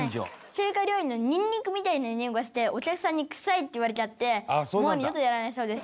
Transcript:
中華料理のニンニクみたいなにおいがしてお客さんに「臭い！」って言われちゃってもう二度とやらないそうです。